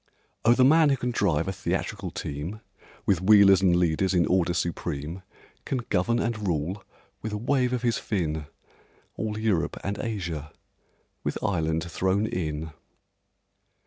Oh, the man who can drive a theatrical team, With wheelers and leaders in order supreme, Can govern and rule, with a wave of his fin, All Europe and Asia—with Ireland thrown in!